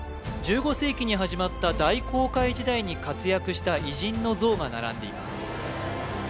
１５世紀に始まった大航海時代に活躍した偉人の像が並んでいます